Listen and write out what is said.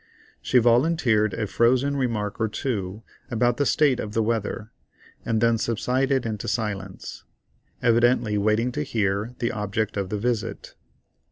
She volunteered a frozen remark or two about the state of the weather, and then subsided into silence, evidently waiting to hear the object of the visit.